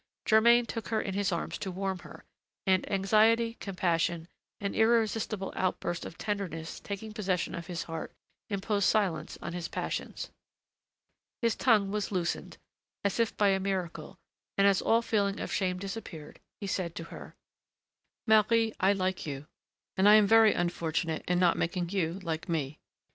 Germain took her in his arms to warm her; and anxiety, compassion, an irresistible outburst of tenderness taking possession of his heart, imposed silence on his passions. His tongue was loosened, as if by a miracle, and as all feeling of shame disappeared, he said to her: "Marie, I like you, and I am very unfortunate in not making you like me.